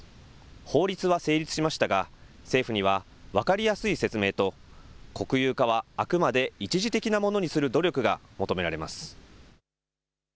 法律は成立しましたが政府には分かりやすい説明と国有化はあくまで一時的なものにする努力が求められます。